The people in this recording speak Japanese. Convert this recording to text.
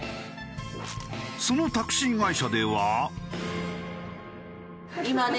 そのタクシー会社では。